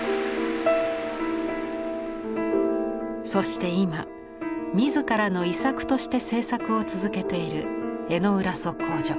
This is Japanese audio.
そして今自らの「遺作」として制作を続けている江之浦測候所。